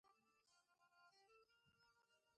ازادي راډیو د روغتیا په اړه د پوهانو څېړنې تشریح کړې.